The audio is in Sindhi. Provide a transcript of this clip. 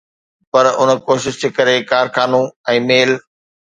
پر ان ڪوشش جي ڪري ڪارخانو ۽ ميل